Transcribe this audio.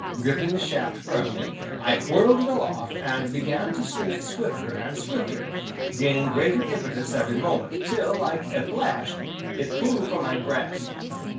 Gripping the shaft firmly, I whirled it aloft, and began to swing it swifter and swifter, gaining greater impetus every moment, till, like a flash, it flew from my grasp.